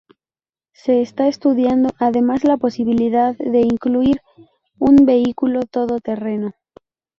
Se está estudiando, además, la posibilidad de incluir un vehículo todoterreno.